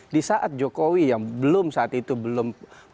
di saat jokowi yang belum saat itu belum